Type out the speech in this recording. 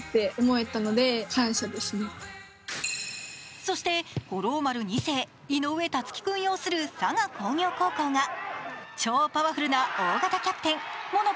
そして、五郎丸２世、井上達木君擁する佐賀工業高校が超パワフルな大型キャプテン、物部